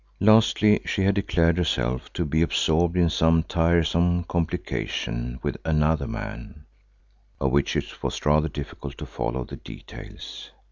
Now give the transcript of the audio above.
Lastly she had declared herself to be absorbed in some tiresome complication with another man, of which it was rather difficult to follow the details.